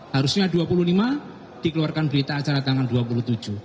harusnya dua puluh lima dikeluarkan berita acara tanggal dua puluh tujuh